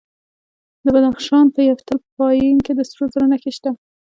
د بدخشان په یفتل پایان کې د سرو زرو نښې شته.